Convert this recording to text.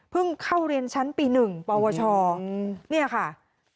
เข้าเรียนชั้นปี๑ปวชเนี่ยค่ะ